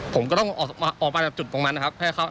ผมก็ต้องออกมาจากจุดตรงนั้นนะครับ